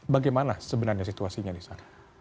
bagaimana sebenarnya situasinya di sana